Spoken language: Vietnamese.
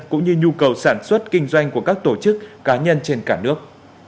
cũng như nhu cầu sản xuất kinh doanh của các tổ chức cá nhân trên cả nước